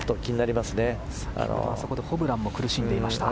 先ほどあそこでホブランも苦しんでいました。